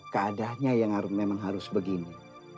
keadaannya yang memang harus begini